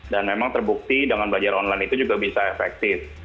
dan memang terbukti dengan belajar online itu juga bisa efektif